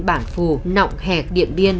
bản phù nọng hẹt điện biên